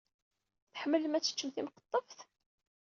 Tḥemmlem ad teččem timqeṭṭeft?